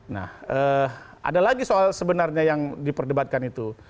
nah ada lagi soal sebenarnya yang diperdebatkan itu